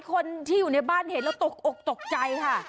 คนที่อยู่ในบ้านเห็นแล้วตกอกตกใจค่ะ